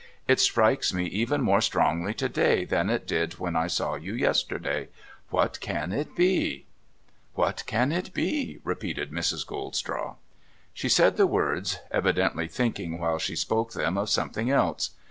It strikes me even more strongly to day, than it did when I saw you yesterday. What can it be ?'' ^Vhat can it be ?' repeated Mrs. Goldstraw. She said the words, evidently thinking while she spoke them of something else.